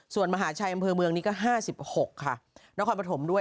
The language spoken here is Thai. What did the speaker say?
ส่วนมหาชัยอำเภอเมืองนี้ก็๕๖ค่ะนครปฐมด้วย